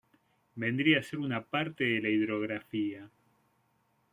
Vendría a ser una parte de la hidrografía.